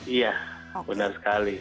iya benar sekali